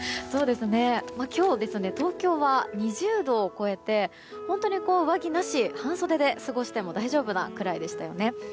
今日、東京は２０度を超えて本当に上着なし半袖で過ごしても大丈夫なくらいでしたよね。